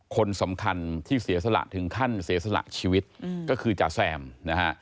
คนสำคัญที่เสียสละถึงขั้นเสียสละชีวิตก็คือจ๋าแซมนะฮะ